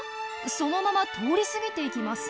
そのまま通り過ぎていきます。